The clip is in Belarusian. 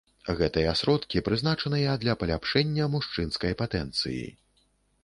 Гэтыя сродкі прызначаныя для паляпшэння мужчынскай патэнцыі.